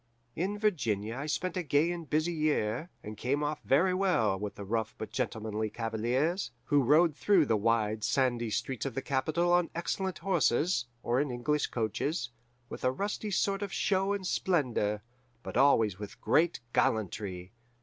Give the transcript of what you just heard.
"In Virginia I spent a gay and busy year, and came off very well with the rough but gentlemanly cavaliers, who rode through the wide, sandy streets of the capital on excellent horses, or in English coaches, with a rusty sort of show and splendour, but always with great gallantry.